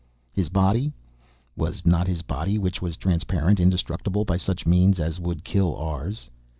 His body? Was not his body, which was transparent, indestructible by such means as would kill ours?